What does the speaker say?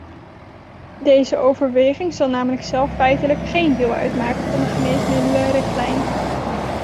Deze overweging zal namelijk zelf feitelijk geen deel uitmaken van de geneesmiddelenrichtlijn.